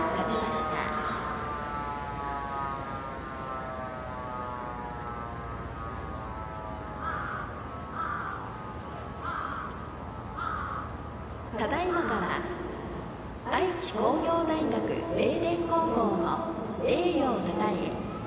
ただいまから愛知工業大学名電高校の栄誉をたたえ